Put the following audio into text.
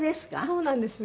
そうなんです。